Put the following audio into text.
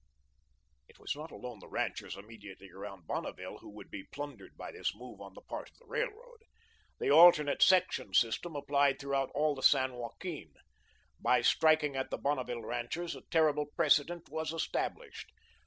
It was not alone the ranchers immediately around Bonneville who would be plundered by this move on the part of the Railroad. The "alternate section" system applied throughout all the San Joaquin. By striking at the Bonneville ranchers a terrible precedent was established.